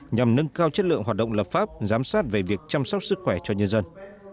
nhằm nâng cao chất lượng hoạt động lập pháp giám sát về việc chăm sóc sức khỏe cho nhân dân